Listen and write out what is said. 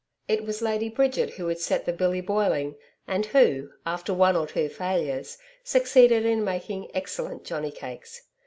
It was Lady Bridget who would set the billy boiling and who, after one or two failures, succeeded in making excellent johnny cakes.